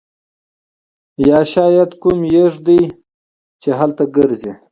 یا شاید کوم یاږ دی چې هلته ګرځي